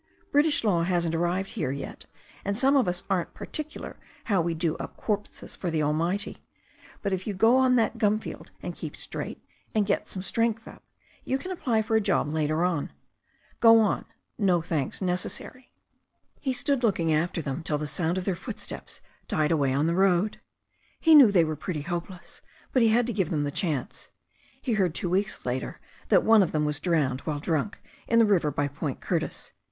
British law hasn't arrived here yet, and some of us aren't particular how we do up corpses for the Almighty. But if you go on that gum field and keep straight, and get { 8o THE STORY OF A NEW ZEALAND RIVER some strength up, you can apply for a job later oxl Go on, no thanks necessary." He stood looking after them till the sound of their foot steps died away on the road. He knew they were pretty hopeless, but he had to give them the chance. He heard two weeks later that one of them was drowned while drunk in the river by Point Curtis.